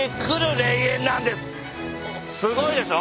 すごいでしょ？